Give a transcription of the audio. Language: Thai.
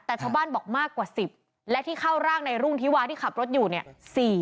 แต่ชาวบ้านบอกมากกว่า๑๐และที่เข้าร่างในรุ่งธิวาที่ขับรถอยู่เนี่ย